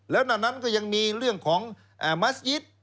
แล้วหน้านั้นก็ยังมีเรื่องของมัสยิต